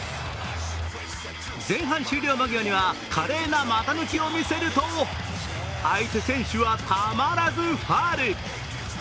前半終了間際には、華麗な股抜きを見せると、相手選手はたまらずファウル。